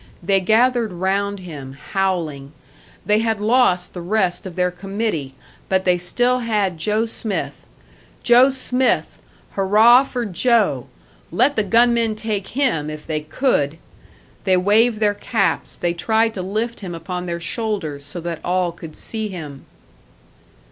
They gathered round him, howling. They had lost the rest of their committee, but they still had Joe Smith. Joe Smith! Hurrah for Joe! Let the gunmen take him, if they could! They waved their caps, they tried to lift him upon their shoulders, so that all could see him.